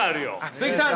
鈴木さん